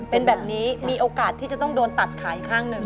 เป็นแบบนี้มีโอกาสที่จะต้องโดนตัดขาอีกข้างหนึ่ง